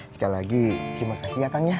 sekali lagi terima kasih ya kang ya